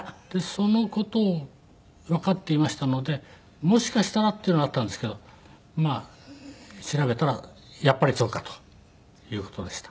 その事をわかっていましたのでもしかしたらっていうのはあったんですけどまあ調べたらやっぱりそうかという事でした。